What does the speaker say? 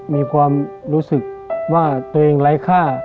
มีความรู้สึกว่าตัวเองไร้ค่า